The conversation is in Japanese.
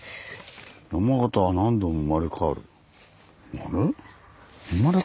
「山形は何度も生まれ変わる？」。